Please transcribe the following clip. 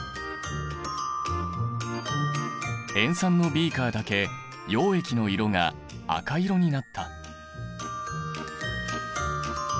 塩酸のビーカーだけ溶液の色が赤色になった。